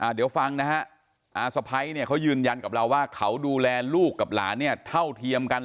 เดี๋ยวฟังนะฮะอาสะพ้ายเนี่ยเขายืนยันกับเราว่าเขาดูแลลูกกับหลานเนี่ยเท่าเทียมกัน